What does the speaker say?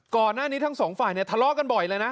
ก่อนหน้านี้ทั้งสองฝ่ายเนี่ยทะเลาะกันบ่อยเลยนะ